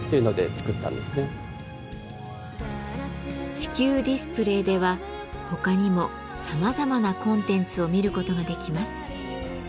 地球ディスプレーでは他にもさまざまなコンテンツを見ることができます。